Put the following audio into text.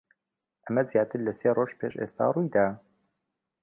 ئەمە زیاتر لە سێ ڕۆژ پێش ئێستا ڕووی دا.